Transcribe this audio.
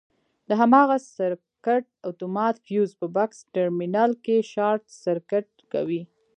د هماغه سرکټ اتومات فیوز په بکس ټرمینل کې شارټ سرکټ کوي.